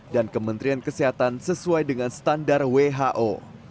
dan kementerian kesehatan sesuai dengan standar who